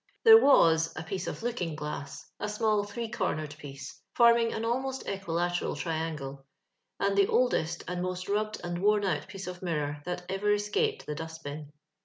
There was a piece of looking glass — a small three cornered piece — forming an almost equi lateral triangle, — and the oldest, and most rubbed and worn out piece of a miiror that ever escaped the dust bin.